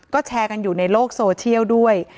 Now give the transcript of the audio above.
ก็แชร์กันอยู่ในโลกโซเชียลด้วย